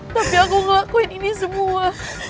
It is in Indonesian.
tapi aku ngelakuin ini semua